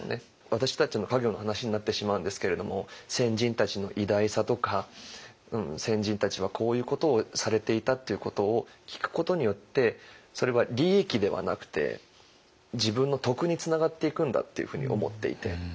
私たちの家業の話になってしまうんですけれども先人たちの偉大さとか先人たちはこういうことをされていたっていうことを聴くことによってそれは利益ではなくて自分の徳につながっていくんだっていうふうに思っていて。